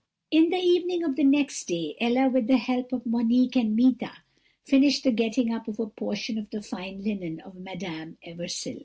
"In the evening of the next day, Ella, with the help of Monique and Meeta, finished the getting up of a portion of the fine linen of Madame Eversil.